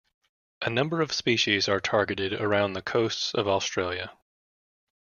A number of species are targeted around the coasts of Australia.